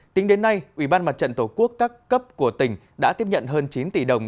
tính đến nay ubnd tổ quốc các cấp của tỉnh đã tiếp nhận hơn chín tỷ đồng